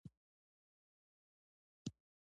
د ورزش په وخت کې تنفس سخت او چټکېږي.